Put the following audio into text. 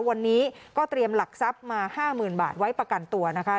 วันนี้ก็เตรียมหลักทรัพย์มา๕๐๐๐บาทไว้ประกันตัวนะคะ